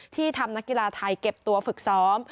ที่ทำนักกีฬาไทยเก็บตัวฝึกซ้อม